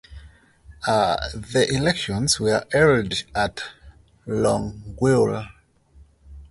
The elections were held at Longueuil.